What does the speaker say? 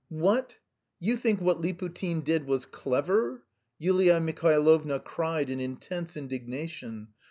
"What! You think what Liputin did was clever?" Yulia Mihailovna cried in intense indignation.